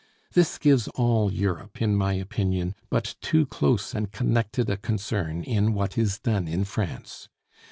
This gives all Europe, in my opinion, but too close and connected a concern in what is done in France.